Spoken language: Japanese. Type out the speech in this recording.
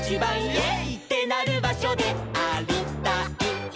「イェイ！ってなるばしょでありたいいえい！」